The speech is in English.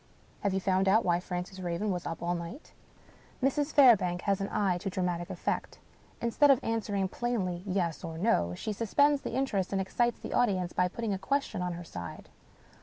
Have you found out why Francis Raven was up all night ?" Mrs. Fairbank has an eye to dramatic effect. Instead of answering plainly, Yes or No, she suspends the interest and excites the audience by putting a question on her side.